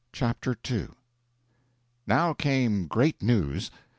CHAPTER II Now came great news!